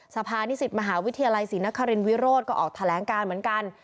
สภานิสิตมหาวิทยาลัยศรีนครินวิโรธก็ออกแถลงการเหมือนกัน